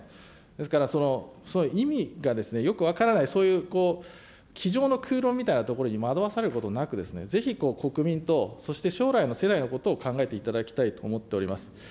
ですから、意味がよく分からない、そういう机上の空論みたいなところに惑わされることなく、ぜひ国民と、そして将来の世代のことを考えていただきたいと思っております。